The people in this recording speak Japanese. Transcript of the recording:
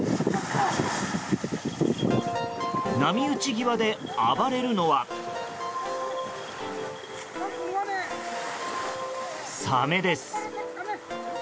波打ち際で暴れるのはサメです。